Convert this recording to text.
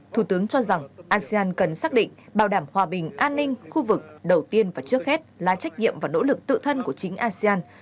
thủ tướng cho rằng asean cần xác định bảo đảm hòa bình an ninh khu vực đầu tiên và trước hết là trách nhiệm và nỗ lực tự thân của chính asean